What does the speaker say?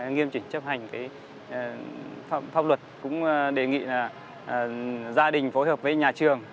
nghiêm chỉnh chấp hành pháp luật cũng đề nghị là gia đình phối hợp với nhà trường